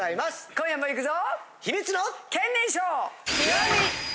今夜もいくぞ！